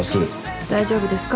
大丈夫ですか？